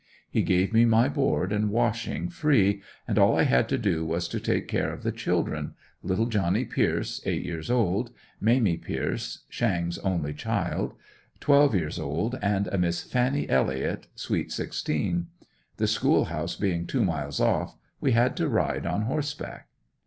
He gave me my board and washing free and all I had to do was to take care of the "children," little Johnny Pierce, eight years old, Mamie Pierce, "Shang's" only child, twelve years old and a Miss Fannie Elliott, sweet sixteen. The school house being two miles off, we had to ride on horseback.